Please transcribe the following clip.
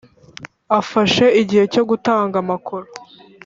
afashe igihe cyo gutanga amakoro